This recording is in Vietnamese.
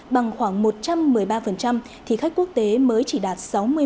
bằng khoảng một trăm một mươi ba thì khách quốc tế mới chỉ đạt sáu mươi một